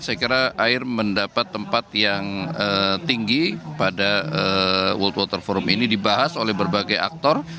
saya kira air mendapat tempat yang tinggi pada world water forum ini dibahas oleh berbagai aktor